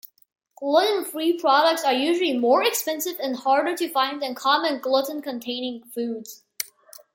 Gluten-free products are usually more expensive and harder to find than common gluten-containing foods.